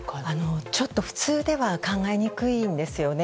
ちょっと普通では考えにくいんですよね。